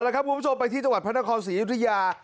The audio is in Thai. สวัสดีครับไปที่จังหวัดพระนครศรีอยุธยา